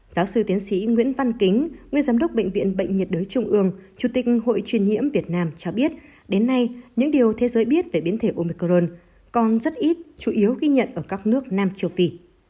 giáo sư tiến sĩ nguyễn văn kính nguyên giám đốc bệnh viện bệnh nhiệt đới trung ương chủ tịch hội truyền nhiễm việt nam cho biết đến nay những điều thế giới biết về biến thể omicron còn rất ít chủ yếu ghi nhận ở các nước nam châu phi